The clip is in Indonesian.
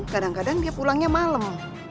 kadang kadang dia pulangnya malam